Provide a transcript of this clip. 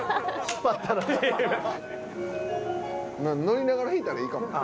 乗りながら引いたらいいかもな。